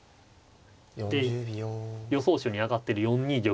で予想手に挙がってる４二玉